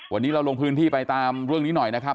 วันนี้เราลงพื้นที่ไปตามเรื่องนี้หน่อยนะครับ